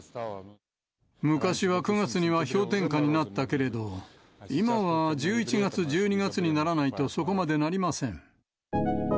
昔は９月には氷点下になったけれど、今は１１月、１２月にならないと、そこまでなりません。